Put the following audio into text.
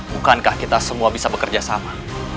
bukankah kita semua bisa bekerja sama